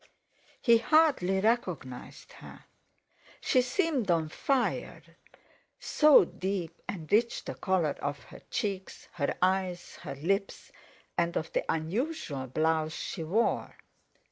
He hardly recognised her. She seemed on fire, so deep and rich the colour of her cheeks, her eyes, her lips, and of the unusual blouse she wore.